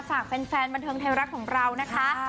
ฝากแฟนบันเทิงไทยรัฐของเรานะคะ